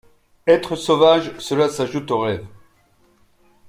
Être sauvage, cela s’ajoute au rêve.